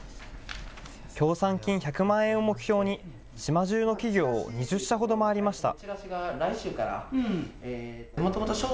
協賛金１００万円を目標に、島中の企業を２０社ほど回りました。